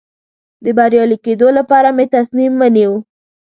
د بریالي کېدو لپاره مې تصمیم ونیو.